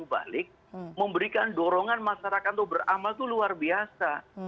balik memberikan dorongan masyarakat untuk beramal itu luar biasa